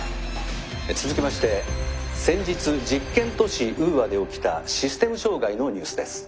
「続きまして先日実験都市ウーアで起きたシステム障害のニュースです。